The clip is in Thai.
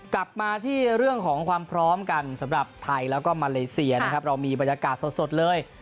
กลับมาที่เรื่องของความพร้อมกันสำหรับไทยแล้วก็มาเลเซียนะครับเรามีบรรยากาศสดเลย